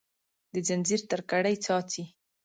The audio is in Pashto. د ځنځیر تر کړۍ څاڅي